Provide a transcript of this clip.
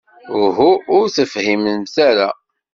Uhu, ur tefhimemt ara.